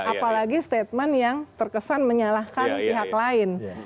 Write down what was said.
apalagi statement yang terkesan menyalahkan pihak lain